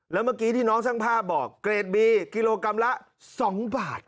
แล้วเมื่อกี้ที่น้องช่างภาพบอกเกรดบีกิโลกรัมละ๒บาท